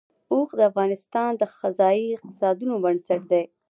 اوښ د افغانستان د ځایي اقتصادونو بنسټ دی.